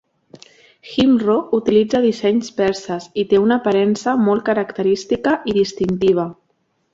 Himroo utilitza dissenys perses i té una aparença molt característica i distintiva.